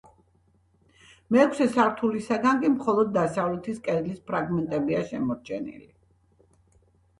მეექვსე სართულისაგან კი მხოლოდ დასავლეთის კედლის ფრაგმენტებია შემორჩენილი.